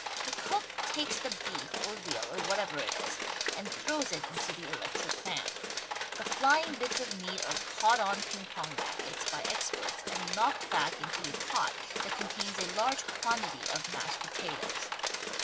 The cook takes the beef or veal or whatever it is and throws it into the electric fan. The flying bits of meat are caught on ping pong rackets by experts and knocked back into a pot that contains a large quantity of mashed potatoes.